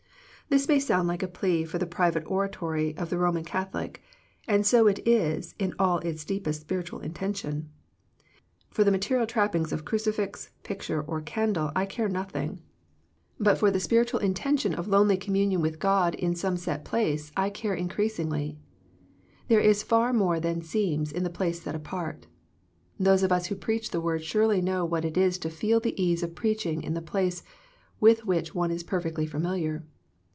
This may sound like a plea for the private oratory of the Eoman Catholic, and so it is in all its deepest spiritual intention. For the material trappings of crucifix, picture, or candle I care nothing, but 110 THE PKAOTICE OF PEAYER for the spiritual intention of lonely communion with God in some set place, I care increasingly. There is far more than seems in the place set apart. Those of us who preach the Word surely know what it is to feel the ease of preaching in the place with which one is perfectly familiar.